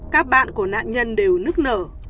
các bạn của nạn nhân đều nức nở